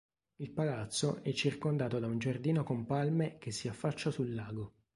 Il palazzo è circondato da un giardino con palme che si affaccia sul lago.